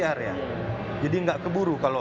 harus pcr ya jadi enggak keburu kalau pcr